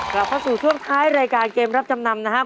กลับเข้าสู่ช่วงท้ายรายการเกมรับจำนำนะครับ